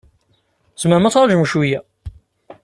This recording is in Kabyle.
Tzemrem ad tṛajum cwiya?